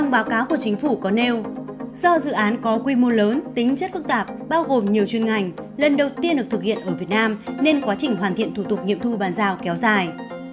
báo cáo của chính phủ có nêu do dự án có quy mô lớn tính chất phức tạp bao gồm nhiều chuyên ngành lần đầu tiên được thực hiện ở việt nam nên quá trình hoàn thiện thủ tục nghiệm thu bàn giao kéo dài